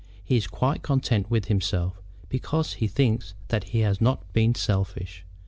He is quite content with himself, because he thinks that he has not been selfish.